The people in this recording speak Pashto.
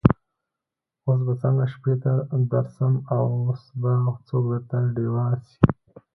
اوس به څنګه شپې ته درسم اوس به څوک درته ډېوه سي